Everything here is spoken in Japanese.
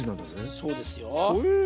そうですよ。ほえ。